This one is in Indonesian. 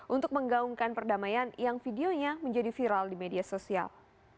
untuk menggaungkan perdamaian yang videonya menjadi viral di media sosial